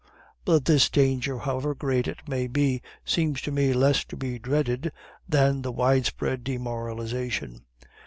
"But this danger, however great it may be, seems to me less to be dreaded than the widespread demoralization.